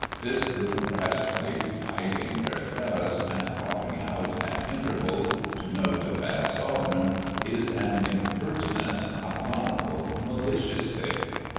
This little brass plate, hiding where it does, and popping out at intervals to note a bad sovereign, is an impertinent, ironical, malicious thing.